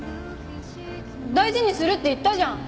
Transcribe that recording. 大事にするって言ったじゃん。